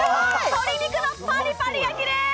鶏肉のパリパリ焼きでーす！